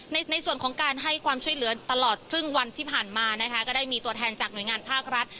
ในส่วนของการให้ความช่วยเหลือตลอดครึ่งวันที่ผ่านมานะคะก็ได้มีตัวแทนจากหน่วยงานภาครัฐ